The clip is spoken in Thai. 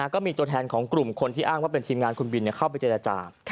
ก็มีตัวแทนของกลุ่มคนที่อ้างว่าเป็นทีมงานคุณบินเข้าไปเจรจา